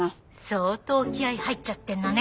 相当気合い入っちゃってんのね。